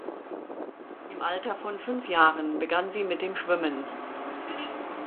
Im Alter von fünf Jahren begann sie mit dem Schwimmen.